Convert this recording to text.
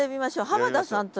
濱田さん！